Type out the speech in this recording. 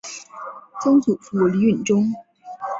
曾祖父李允中。